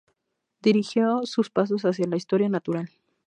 Dirigió sus pasos hacia la Historia Natural.